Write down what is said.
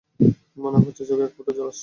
মনে হচ্ছে চোখে একফোঁটা জল আসছে।